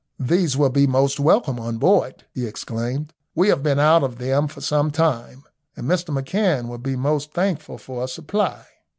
"These will be most welcome on board," he exclaimed. "We have been out of them for some time, and Dr McCan will be most thankful for a supply."